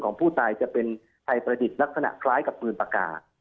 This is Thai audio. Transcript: ผู้ตายจะเป็นไทยประดิษฐ์ลักษณะคล้ายกับปืนปากกา